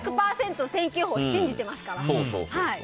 １００％、天気予報を信じてますから。